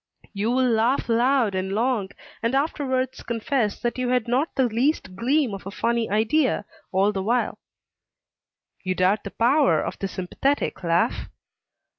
You will laugh loud and long, and afterwards confess that you had not the least gleam of a funny idea, all the while. You doubt the power of the sympathetic laugh?